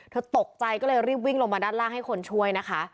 ตกใจก็เลยรีบวิ่งลงมาด้านล่างให้คนช่วยนะคะ